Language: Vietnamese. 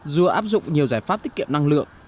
dù áp dụng nhiều giải pháp tiết kiệm năng lượng